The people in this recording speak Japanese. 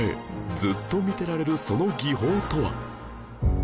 ずっと見てられるその技法とは？